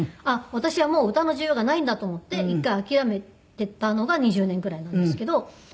私はもう歌の需要がないんだと思って一回諦めていたのが２０年くらいなんですけど。